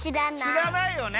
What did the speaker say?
しらないよね。